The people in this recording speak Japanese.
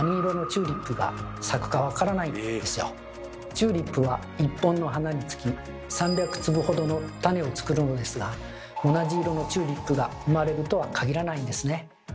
チューリップは一本の花につき３００粒ほどの種をつくるのですが同じ色のチューリップが生まれるとは限らないんですね。